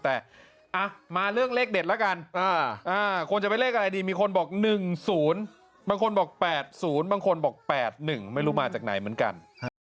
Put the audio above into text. แต่มาเรื่องเลขเด็ดแล้วกันคนจะไปเลขอะไรดีมีคนบอก๑๐บางคนบอก๘๐บางคนบอก๘๑ไม่รู้มาจากไหนเหมือนกัน